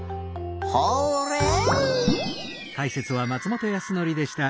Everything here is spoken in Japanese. ホーレイ！